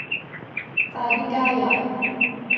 快啲加入